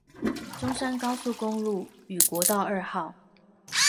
中山高速公路與國道二號